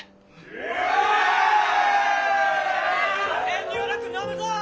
遠慮なく飲むぞ！